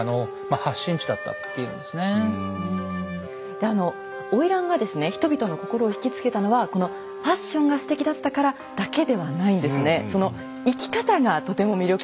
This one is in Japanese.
であの花魁がですね人々の心を引き付けたのはこのファッションがすてきだったからだけではないんですね。